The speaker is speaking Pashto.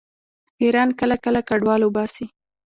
ایران کله کله کډوال وباسي.